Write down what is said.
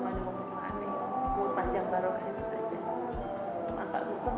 kalau panjang barokah itu saja